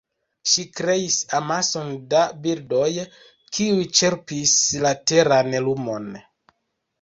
Ŝi kreis amason da bildoj, kiuj ĉerpis la teran lumon.